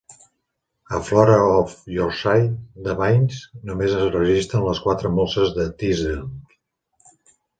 A "Flora of Yorkshire" de Baines només es registren les quatre molses de Teesdale.